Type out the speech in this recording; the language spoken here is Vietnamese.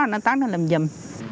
nó tắt nó làm dùm